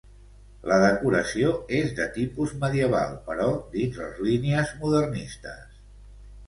La decoració és de tipus medieval però dins les línies modernistes.